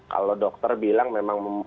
kalau dokter bilang memang